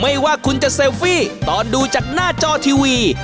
ไม่ว่าคุณจะเซลฟี่ตอนดูจากหน้าจอทีวี